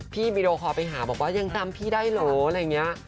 วีดีโอคอลไปหาบอกว่ายังจำพี่ได้เหรออะไรอย่างนี้